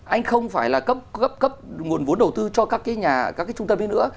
anh không phải là cấp nguồn vốn đầu tư cho các cái nhà các cái trung tâm như nữa